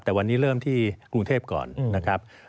แต่วันนี้เริ่มที่กรุงเทพก่อนนะครับ